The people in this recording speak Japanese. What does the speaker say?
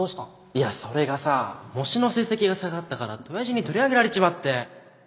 いやそれがさ模試の成績が下がったからって親父に取り上げられちまって